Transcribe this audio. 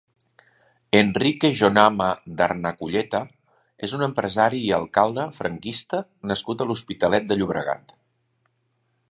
Enrique Jonama Darnaculleta és un empresari i alcalde franquista nascut a l'Hospitalet de Llobregat.